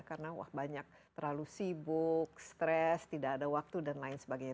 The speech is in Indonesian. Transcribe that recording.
karena wah banyak terlalu sibuk stres tidak ada waktu dan lain sebagainya